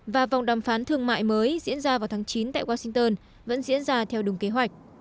và vòng đàm phán thương mại mới diễn ra vào tháng chín tại washington vẫn diễn ra theo đúng kế hoạch